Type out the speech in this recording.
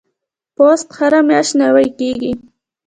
پوست هره میاشت نوي کیږي.